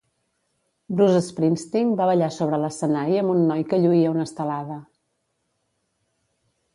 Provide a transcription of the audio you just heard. Bruce Springsteen va ballar sobre l'escenari amb un noi que lluïa una estelada.